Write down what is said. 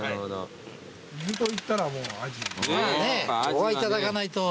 ここはいただかないと。